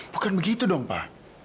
bukan begitu dong pak